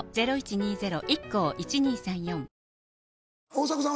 大迫さん